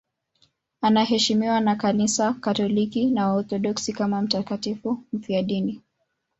Anaheshimiwa na Kanisa Katoliki na Waorthodoksi kama mtakatifu mfiadini.